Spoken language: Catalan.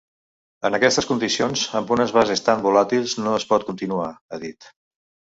En aquestes condicions, amb unes bases tan volàtils, no es pot continuar –ha dit–.